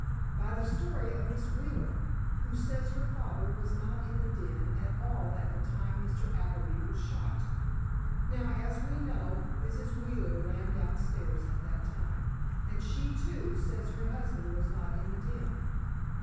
"By the story of Miss Wheeler, who says her father was not in the den at all at the time Mr. Appleby was shot. Now, as we know, Mrs. Wheeler ran downstairs at that time, and she, too, says her husband was not in the den.